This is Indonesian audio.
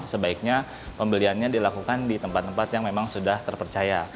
sebaiknya pembeliannya dilakukan di tempat tempat yang memang sudah terpercaya